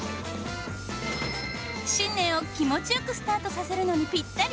新年を気持ち良くスタートさせるのにピッタリ！